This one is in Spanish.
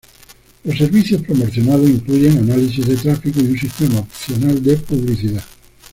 Los servicios proporcionados incluyen análisis de tráfico y un sistema opcional de publicidad.